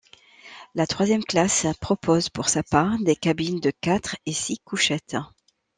La troisième classe propose pour sa part des cabines de quatre et six couchettes.